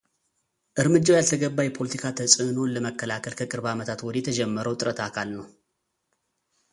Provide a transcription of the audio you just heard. እርምጃው ያልተገባ የፖለቲካ ተፅእኖን ለመከላከል ከቅርብ ዓመታት ወዲህ የተጀመረው ጥረት አካል ነው።